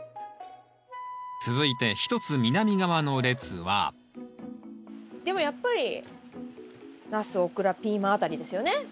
続いて一つ南側の列はでもやっぱりナスオクラピーマンあたりですよね。